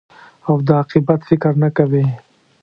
او د عاقبت فکر نه کوې.